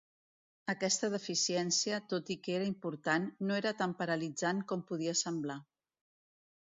Aquesta deficiència, tot i que era important, no era tan paralitzant com podia semblar.